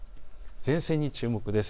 前線に注目です。